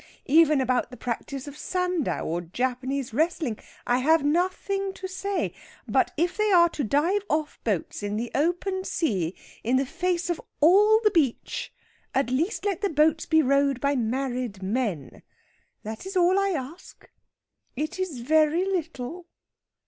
Even about the practice of Sandow, or Japanese wrestling, I have nothing to say. But if they are to dive off boats in the open sea, in the face of all the beach, at least let the boats be rowed by married men. That is all I ask. It is very little."